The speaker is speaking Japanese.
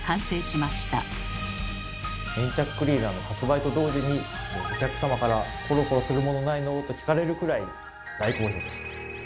粘着クリーナーの発売と同時にお客様から「コロコロするものないの？」と聞かれるくらい大好評でした。